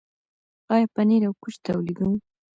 آیا پنیر او کوچ تولیدوو؟